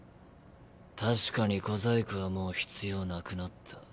確かに小細工はもう必要なくなった。